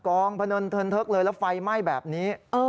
พนนเทินเทิกเลยแล้วไฟไหม้แบบนี้